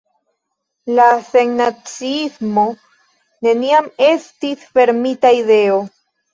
La sennaciismo neniam estis fermita ideo.